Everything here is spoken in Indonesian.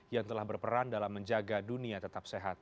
yang telah berperan dalam menjaga dunia tetap sehat